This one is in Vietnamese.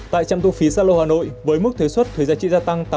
tại trăm thu phí sa lộ hà nội với mức thuế xuất thuế giá trị gia tăng tám